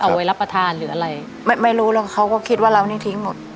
ไว้รับประทานหรืออะไรไม่รู้แล้วเขาก็คิดว่าเรานี่ทิ้งหมด